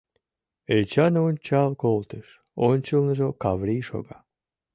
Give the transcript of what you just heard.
Эчан ончал колтыш: ончылныжо Каврий шога.